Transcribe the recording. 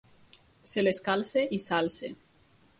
Se les calça i s'alça.